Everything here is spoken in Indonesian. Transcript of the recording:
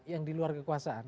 yang di luar kekuasaan